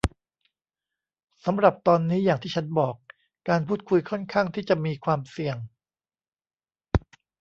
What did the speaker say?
สำหรับตอนนี้อย่างที่ฉันบอก การพูดคุยค่อนข้างที่จะมีความเสี่ยง